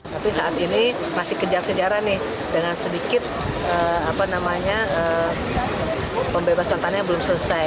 tapi saat ini masih kejar kejaran nih dengan sedikit pembebasan tanah yang belum selesai